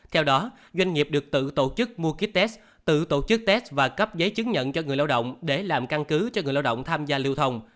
theo đó doanh nghiệp được tự tổ chức mua kích tết tự tổ chức test và cấp giấy chứng nhận cho người lao động để làm căn cứ cho người lao động tham gia lưu thông